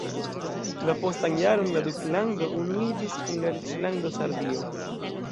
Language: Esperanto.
La postan jaron la duklando unuiĝis kun la reĝlando Sardio.